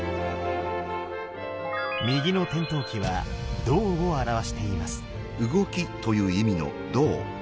右の天燈鬼は「動」を表しています。